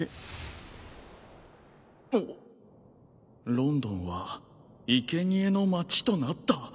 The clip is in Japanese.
「ロンドンは生贄の街となった」